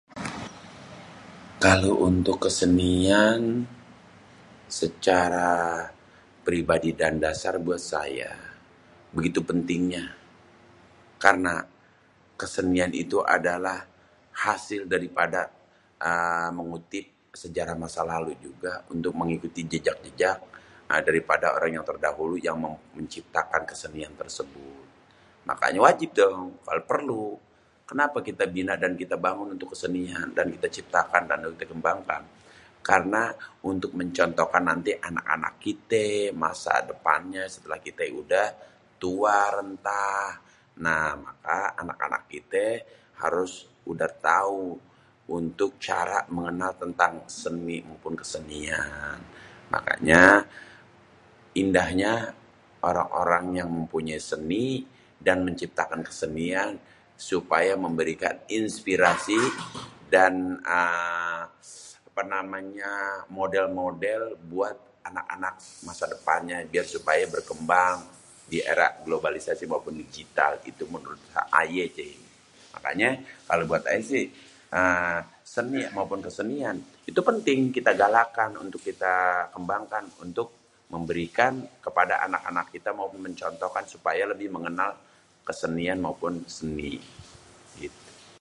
Kalo untuk kesenian secara pribadi dan dasar buat saya begitu pentingnya. Karna kesenian itu adalah hasil daripada ééé mengutip sejarah masa lalu juga untuk mengikuti jejak-jejak daripada orang yang terdahulu yang menciptakan kesenian tersebut. Makanya wajib dong perlu. Kenapa kita bina dan kita bangun kesenian dan kita ciptakan dan kita kembangkan? Karna untuk mencontohkan nanti anak-anak kité, masa depannya, setelah kité udah tua renta. Nah maka anak-anak kité harus udah tau untuk cara mengenal tentang seni maupun kesenian. Makanya indahnya orang-orang yang mempunyai seni dan menciptakan kesenian supaya memberikan inspirasi dan eee apa namanya model-model buat anak-anak masa depannya biar supaya berkembang di era globalisasi maupun digital. Gitu menurut ayé sih. Makanya kalo buat ayé sih, seni maupun kesenian itu penting kita galakan untuk kita kembangkan untuk memberikan kepada anak-anak kita maupun mencontohkan supaya lebih mengenal kesenian maupun seni, gitu.